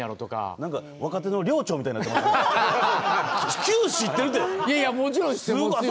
なんか若手の寮長みたいになっていますよ。